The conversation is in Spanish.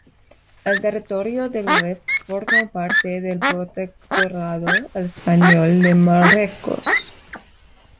El territorio del Rif, formó parte del protectorado español de Marruecos.